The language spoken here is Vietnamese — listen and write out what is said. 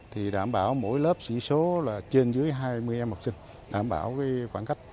thì đảm bảo mỗi lớp sỉ số là trên dưới hai mươi em học sinh đảm bảo khoảng cách